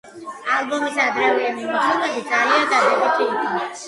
ალბომის ადრეული მიმოხილვები ძალიან დადებითი იყო.